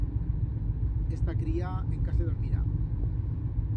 Esta cría encá se dormirá.